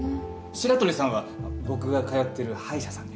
白鳥さんは僕が通ってる歯医者さんで。